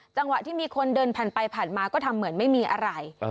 จังหวะที่มีคนเดินผ่านไปผ่านมาก็ทำเหมือนไม่มีอะไร